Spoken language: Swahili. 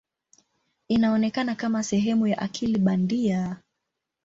Inaonekana kama sehemu ya akili bandia.